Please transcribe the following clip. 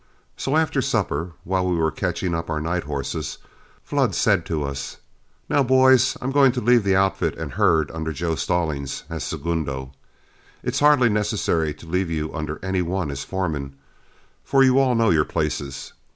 So after supper, and while we were catching up our night horses, Flood said to us, "Now, boys, I'm going to leave the outfit and herd under Joe Stallings as segundo. It's hardly necessary to leave you under any one as foreman, for you all know your places.